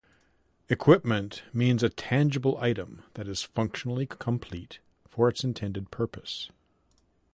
Equipment means a tangible item that is functionally complete for its intended purpose.